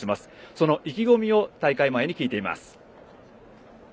その意気込みを大会前に聞いています。